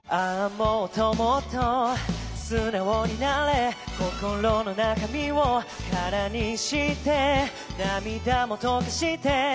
もっともっと素直になれ」「心の中身を空にして」「涙も溶かして」